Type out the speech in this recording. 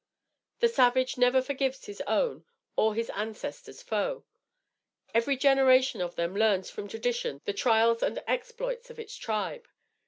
The savage never forgives his own or his ancestor's foe. Every generation of them learns from tradition the trials and exploits of its tribe.